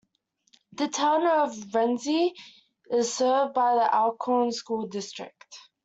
The town of Rienzi is served by the Alcorn School District.